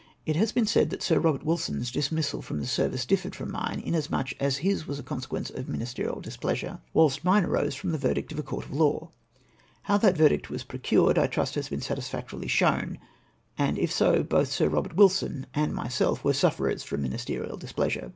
It has been said that Sir Eobert Wilson's dismissal from the service differed from mine, inasmuch as his was a consequence of ministerial displeasure, whilst * The italics in this document are Mr. Hume's. 398 MY RESTOEATION mine arose from the verdict of a coml of law. How that verdict was procured, I trust has been satisfac torily shown, and if so, both Sir Eobert Wilson and myself were sufferers from muiisterial displeasure.